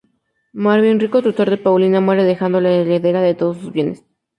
Marvin, rico tutor de Paulina, muere dejándola heredera de todos sus bienes.